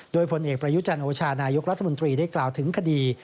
โดยผลเอกประยุจันโอชานายกรัฐมนตรีได้กล่าวถึงคดี